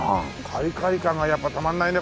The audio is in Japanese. カリカリ感がやっぱたまんないね